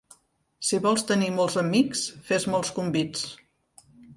Si vols tenir molts amics fes molts convits.